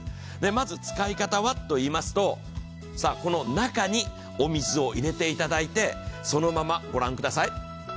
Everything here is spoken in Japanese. まず使い方はといいますと中にお水を入れていただいてそのまま、御覧ください。